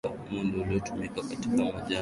mundu ulitumika kukatia majani na mazao